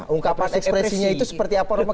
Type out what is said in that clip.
ungkapan ekspresinya itu seperti apa